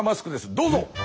どうぞ！え？